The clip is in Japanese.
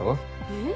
えっ？